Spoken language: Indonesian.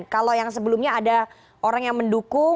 kalau yang sebelumnya ada orang yang mendukung